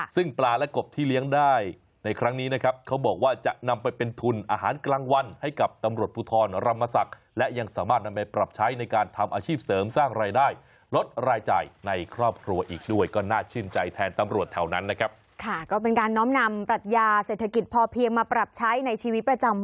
ซึ่งปลาและกบที่เลี้ยงได้ในครั้งนี้นะครับเขาบอกว่าจะนำไปเป็นทุนอาหารกลางวันให้กับตำรวจภูทรรมศักดิ์และยังสามารถนำไปปรับใช้ในการทำอาชีพเสริมสร้างรายได้ลดรายจ่ายในครอบครัวอีกด้วยก็น่าชื่นใจแทนตำรวจแถวนั้นนะครับค่ะก็เป็นการน้อมนำปรัชญาเศรษฐกิจพอเพียงมาปรับใช้ในชีวิตประจำ